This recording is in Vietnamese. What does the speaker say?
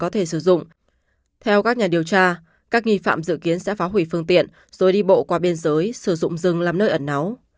theo các nhà điều tra các nghi phạm dự kiến sẽ phá hủy phương tiện rồi đi bộ qua biên giới sử dụng rừng làm nơi ẩn náu